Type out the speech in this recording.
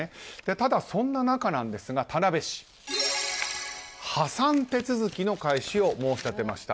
ただ、そんな中、田辺市は破産手続きの開始を申し立てました。